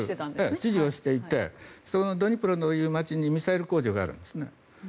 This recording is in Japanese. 知事をしていてドニプロという街にミサイル工場があるんですね。